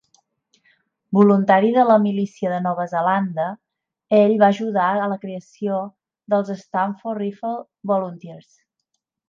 Voluntari de la milícia de Nova Zelanda, ell va ajudar a la creació dels Stratford Rifle Volunteers.